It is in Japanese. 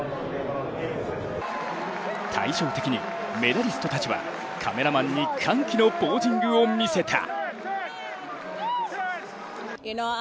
対照的にメダリストたちはカメラマンに歓喜のポージングを見せた。